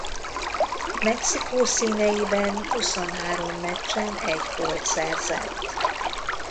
Mexikó színeiben huszonhárom meccsen egy gólt szerzett.